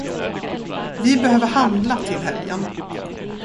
Vi behöver handla till helgen.